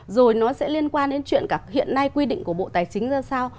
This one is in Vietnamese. rồi nó sẽ liên quan đến chuyện cả hiện nay quy định của bộ tài chính ra sao